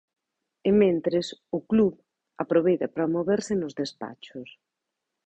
E mentres, o club aproveita para moverse nos despachos.